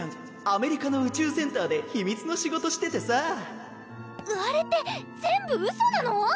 アメリカの宇宙センターで秘密の仕事しててさあれって全部ウソなの？